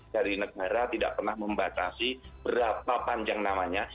dari negara tidak pernah membatasi berapa panjang namanya